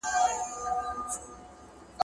هغه خلک چې یو ځای ژوند کوي میکروبونه شریکوي.